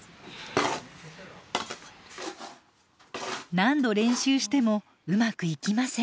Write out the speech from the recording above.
何度練習してもうまくいきません。